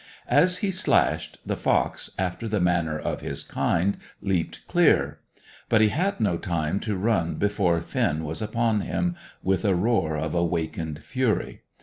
As he slashed, the fox, after the manner of his kind, leaped clear. But he had no time to run before Finn was upon him, with a roar of awakened fury.